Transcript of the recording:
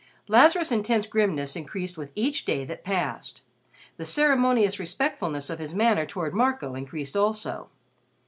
Lazarus' intense grimness increased with each day that passed. The ceremonious respectfulness of his manner toward Marco increased also.